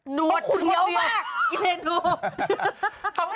เฮ้ยคุณเยียวมาก